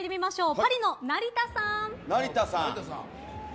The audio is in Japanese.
パリの成田さん！